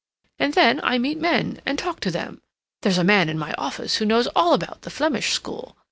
And then I meet men, and talk to them. There's a man in my office who knows all about the Flemish school.